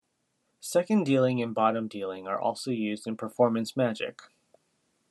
Second dealing and bottom dealing are also used in performance magic.